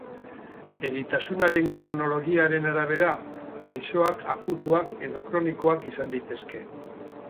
Eritasunaren kronologiaren arabera, gaixoak akutuak edo kronikoak izan daitezke.